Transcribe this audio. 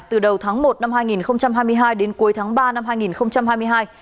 từ đầu tháng một năm hai nghìn hai mươi hai đến cuối tháng ba năm hai nghìn hai mươi hai